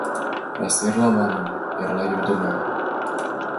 — Раз «эрла» манын, эрла йодына.